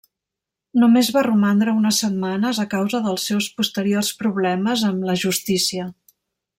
Només va romandre unes setmanes a causa dels seus posteriors problemes amb la Justícia.